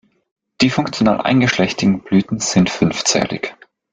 Die funktional eingeschlechtigen Blüten sind fünfzählig.